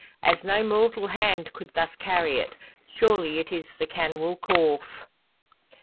As no mortal hand could thus carry it, surely it is the canwyll corph!